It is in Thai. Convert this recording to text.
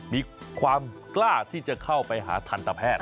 มีความกล้าที่จะเข้าไปหาทันตแพทย์